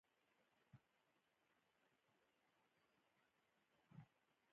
احمد د خلګو تر مخ ډېر شېرکی شېرکی کېږي.